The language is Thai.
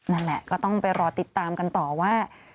นั่นแหละก็ต้องไปรอติดตามกันต่อว่า